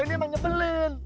gua ini emang nyebelin